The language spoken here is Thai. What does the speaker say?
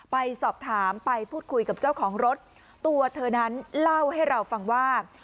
ไปสอบถามไปพูดคุยกับเจ้าของรถตัวเธอนั้นเล่าให้เราฟังว่า